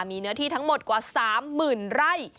มีเนื้อที่ทั้งหมดกว่า๓๐๐๐ไร่